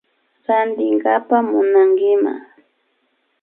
Rantinkapa munankiman